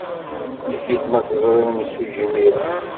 Yif-it ma teẓrid imsujji imir-a.